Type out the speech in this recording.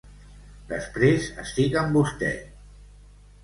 Després estic amb vostè.